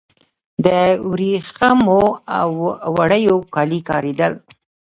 د وریښمو او وړیو کالي کاریدل